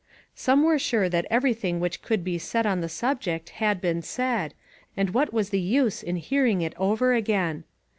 Some were sure that every thing which could be said on the subject had been said, and what was the use in hearing it over again?